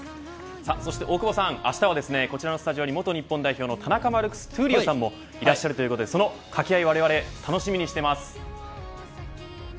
そして大久保さんあしたはこちらのスタジオに元日本代表の田中マルクス闘莉王さんがいらっしゃいますのでその掛け合いも楽しみにしています。